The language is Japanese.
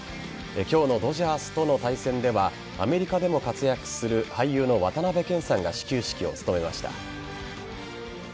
今日のドジャースとの対戦ではアメリカでも活躍する俳優の渡辺謙さんが始球式を務めました。